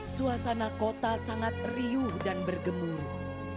suasana kota sangat riuh dan bergemuruh